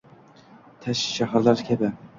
shaharlar kabi